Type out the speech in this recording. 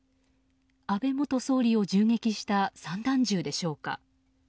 安倍元総理を銃撃した散弾銃でしょうか。